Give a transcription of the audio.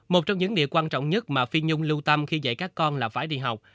một trong những điều quan trọng nhất mà phi nhung lưu tâm khi dạy các con là phải đi học